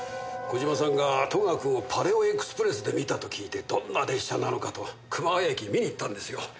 小島さんが戸川君をパレオエクスプレスで見たと聞いてどんな列車なのかと熊谷駅へ見に行ったんですよ。